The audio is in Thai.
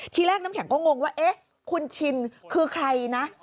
ทีแรกน้ำแข็งก็งงว่าเอ๊ะคุณชินคือใครนะ